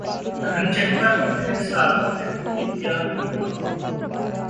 'घनचक्कर' में फिर साथ दिखेंगे विद्या-इमरान